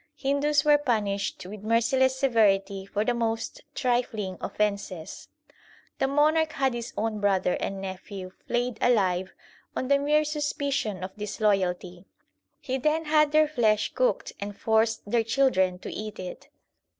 Hindus were punished with merciless severity for the most trifling offences. The monarch had his own brother and nephew flayed alive on the mere suspicion of disloyalty. He then had their flesh cooked and forced their children to eat it.